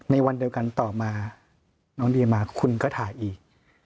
ในวันเดียวกันต่อมาน้องเดียมาคุณก็ถ่ายอีก